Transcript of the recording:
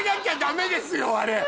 あれ！